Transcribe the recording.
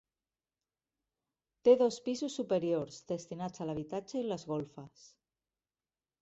Té dos pisos superiors destinats a l'habitatge i les golfes.